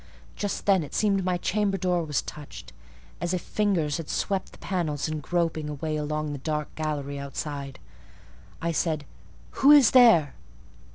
Just then it seemed my chamber door was touched; as if fingers had swept the panels in groping a way along the dark gallery outside. I said, "Who is there?"